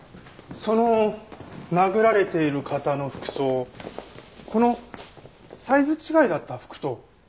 その殴られている方の服装このサイズ違いだった服と同じじゃありませんか？